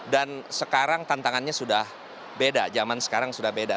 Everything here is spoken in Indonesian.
dan sekarang tantangannya sudah beda zaman sekarang sudah beda